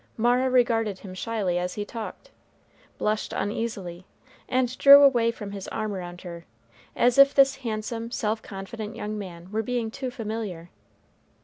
Mara regarded him shyly as he talked, blushed uneasily, and drew away from his arm around her, as if this handsome, self confident young man were being too familiar.